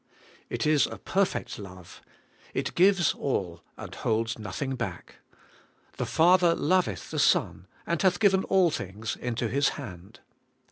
' It is a perfect love. It gives all, and holds nothing back. 'The Father loveth the Son, and hath given all things into His hand.'